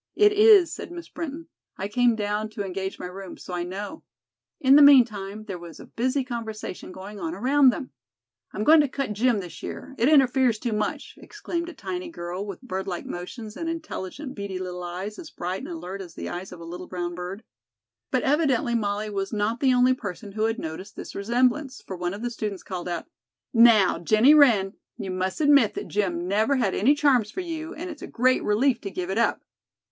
"It is," said Miss Brinton. "I came down to engage my room, so I know." In the meantime, there was a busy conversation going on around them. "I'm going to cut gym this year. It interferes too much," exclaimed a tiny girl with birdlike motions and intelligent, beady little eyes as bright and alert as the eyes of a little brown bird. But evidently Molly was not the only person who had noticed this resemblance, for one of the students called out: "Now, Jennie Wren, you must admit that gym never had any charms for you and it's a great relief to give it up."